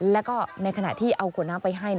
แล้วก็ในขณะที่เอาขวดน้ำไปให้